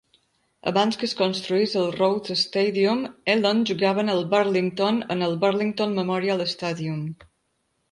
Abans que es construís el Rhodes Stadium, Elon jugava en el Burlington, en el Burlington Memorial Stadium.